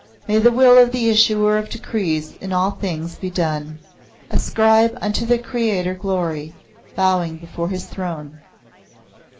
May the will of the Issuer of Decrees in all things be done! Ascribe unto the Creator glory, bowing before his Throne."